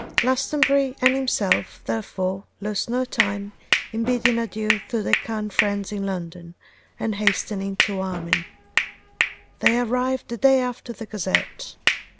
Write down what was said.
Glastonbury and himself, therefore, lost no time in bidding adieu to their kind friends in London, and hastening to Armine. They arrived the day after the Gazette.